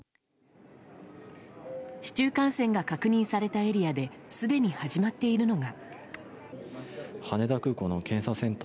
市中感染が確認されたエリアですでに始まっているのが。